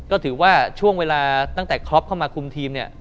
ก็ถือว่าช่วงเวลาตั้งแต่ครอปเข้ามาคุมทีมเนี่ย